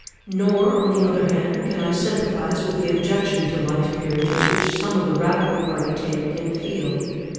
Nor, on the other hand, can I sympathise with the objection to life peerages which some of the Radical party take and feel.